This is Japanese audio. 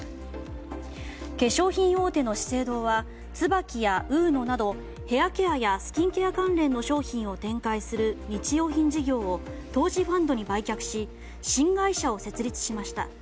化粧品大手の資生堂はＴＳＵＢＡＫＩやｕｎｏなどヘアケアやスキンケア関連の商品を展開する日用品事業を投資ファンドに売却し新会社を設立しました。